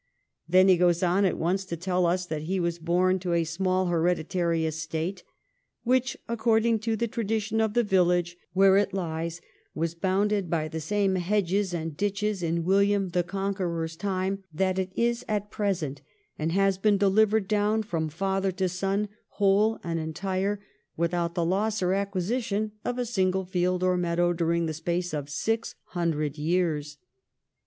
Then he goes on at once to tell us that he was born to a small hereditary estate ' which according to the tradition of the village where it lies was bounded by the same hedges and ditches in William the Conqueror's time that it is at present, and has been delivered down from father to son, whole and entire, without the loss or acquisition of a single field or meadow during the space of six hundred years.'